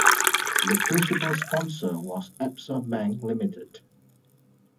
The principal sponsor was Absa Bank Limited.